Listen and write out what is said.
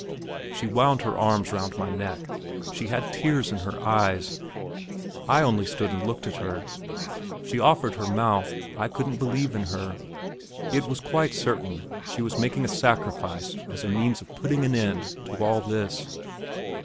She wound her arms round my neck; she had tears in her eyes; I only stood and looked at her. She offered her mouth; I couldn't believe in her; it was quite certain she was making a sacrifice as a means of putting an end to all this.